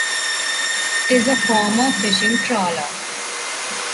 It is a former fishing trawler.